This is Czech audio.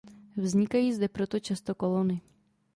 Vznikají zde proto často kolony.